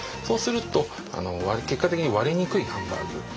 そうすると結果的に割れにくいハンバーグ。